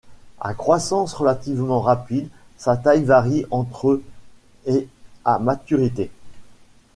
À croissance relativement rapide, sa taille varie entre et à maturité.